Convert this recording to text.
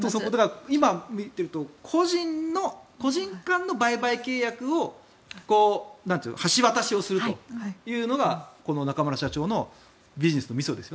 今見ていると個人間の売買契約を橋渡しをするというのがこの中村社長のビジネスのみそです。